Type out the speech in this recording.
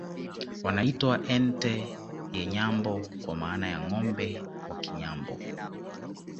Wanaitwa Ente ye Nyambo kwa maana ya Ngombe wa Kinyambo